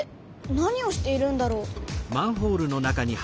何をしているんだろう？